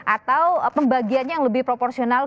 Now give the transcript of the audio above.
atau pembagiannya yang lebih proporsional